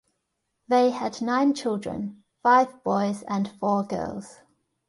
They had nine children: five boys and four girls.